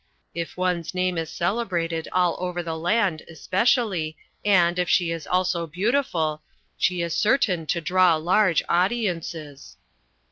If ones name is celebrated all over the land, especially, and, if she is also beautiful, she is certain to draw large audiences."